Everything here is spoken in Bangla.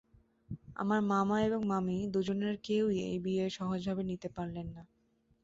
আমার মামা এবং মামী দু জনের কেউই এই বিয়ে সহজভাবে নিতে পারলেন না।